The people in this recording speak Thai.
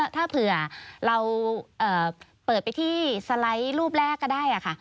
ถ้าเผื่อเราเปิดไปที่สไลด์รูปแรกก็ได้ค่ะ